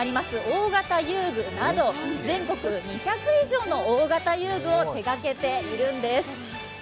大型遊具など全国２００以上の大型遊具を手がけているんです。